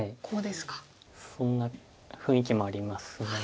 そんな雰囲気もあります。